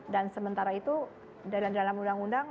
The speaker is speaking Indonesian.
dan sementara itu dalam undang undang